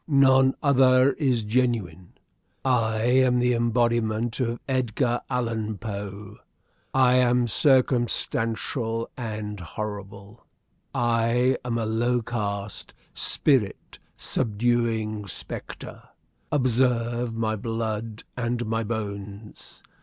"None other is genuine. I am the embodiment of Edgar Allan Poe. I am circumstantial and horrible. I am a low caste, spirit subduing spectre. Observe my blood and my bones.